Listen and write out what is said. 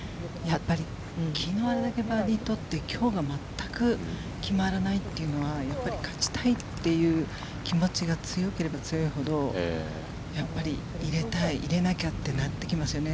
昨日あれだけバーディーを取って今日が全く決まらないというのはやっぱり勝ちたいという気持ちが強ければ強いほど入れたい、入れなきゃってなってきますよね。